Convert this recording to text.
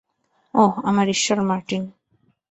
ওহ, আমার ঈশ্বর মার্টিন।